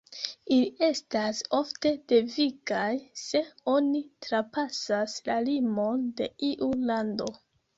Ili estas ofte devigaj, se oni trapasas la limon de iu lando.